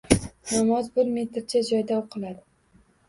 — Namoz bir metrcha joyda o‘qiladi.